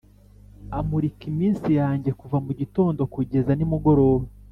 amurika iminsi yanjye kuva mugitondo kugeza nimugoroba